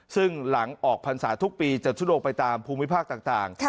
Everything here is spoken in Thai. ซึ่งหลังออกพรรษาทุกปีจัดชุดลงไปตามภูมิภาคต่าง